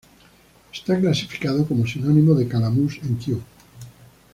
Está clasificado como sinónimo de Calamus en Kew.